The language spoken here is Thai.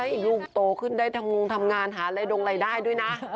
อีกลูกโตขึ้นได้ทำงานหาอะไรดงรายได้ด้วยนะ